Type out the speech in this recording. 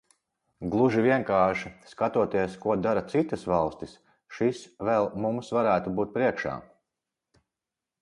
Gluži vienkārši, skatoties, ko dara citas valstis, šis vēl mums varētu būt priekšā.